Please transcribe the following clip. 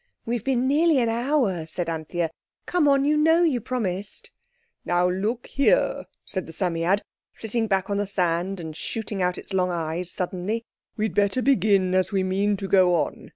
"We've been nearly an hour," said Anthea. "Come—you know you promised." "Now look here," said the Psammead, sitting back on the sand and shooting out its long eyes suddenly, "we'd better begin as we mean to go on.